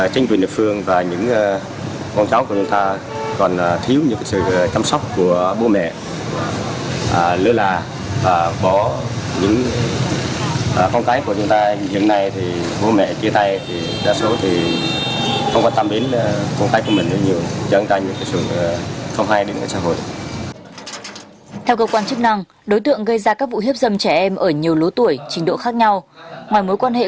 trên tuyển địa phương và những con cháu của chúng ta còn thiếu những sự chăm sóc của bố mẹ lứa là